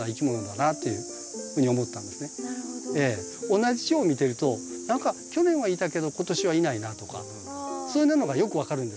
同じチョウを見てると何か去年はいたけど今年はいないなとかそういうものがよく分かるんですよ。